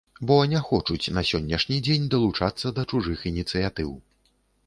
Бо не хочуць на сённяшні дзень далучацца да чужых ініцыятыў.